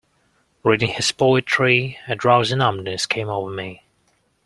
Reading his poetry, a drowsy numbness came over me.